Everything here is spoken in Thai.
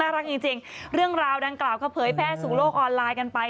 รักจริงเรื่องราวดังกล่าวก็เผยแพร่สู่โลกออนไลน์กันไป